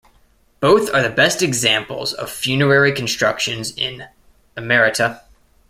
Both are the best examples of funerary constructions in Emerita.